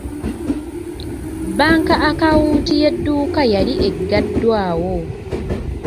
Banka akawunti y'edduuka yali eggaddwawo.